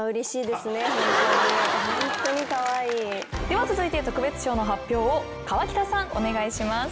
では続いて特別賞の発表を河北さんお願いします。